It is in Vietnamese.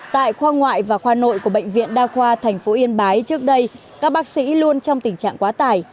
tại khoa ngoại và khoa nội của bệnh viện đa khoa thành phố yên bái trước đây các bác sĩ luôn trong tình trạng quá tải